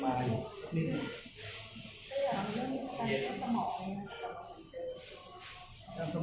อย่างเรื่องทางตังคมสมองมันเป็นอย่างงั้นก็จะต้องขอบคุณเชียว